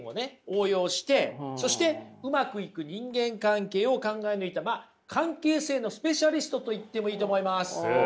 応用してそしてうまくいく人間関係を考え抜いたまあ関係性のスペシャリストと言ってもいいと思います。